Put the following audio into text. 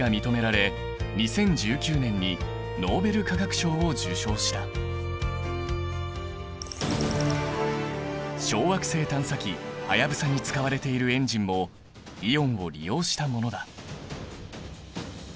その功績が認められ小惑星探査機はやぶさに使われているエンジンもイオンを利用したものだ。